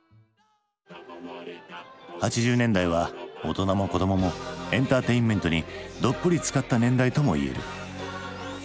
８０年代は大人も子どももエンターテインメントにどっぷりつかった年代ともいえる。